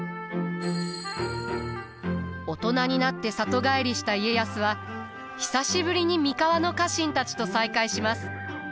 大人になって里帰りした家康は久しぶりに三河の家臣たちと再会します。